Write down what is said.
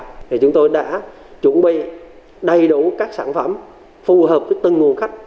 thì chúng tôi đã chuẩn bị đầy đủ các sản phẩm phù hợp với từng nguồn khách